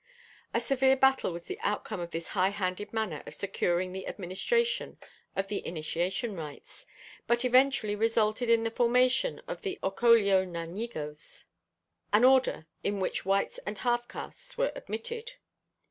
A severe battle was the outcome of this high handed manner of securing the administration of the initiation rites, but eventually resulted in the formation of the Ocolio Ñáñigos, an order in which whites and half castes were admitted.